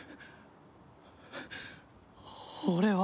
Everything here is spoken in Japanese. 俺は。